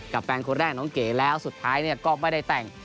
แฟนคนแรกน้องเก๋แล้วสุดท้ายก็ไม่ได้แต่ง